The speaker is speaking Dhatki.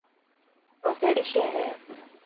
او ڪهڙي شي هي.